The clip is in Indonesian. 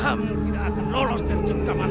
kamu tidak akan lolos dari jengkaman